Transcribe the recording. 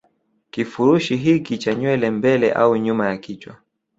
Kifurushi hiki cha nywele mbele au nyuma ya kichwa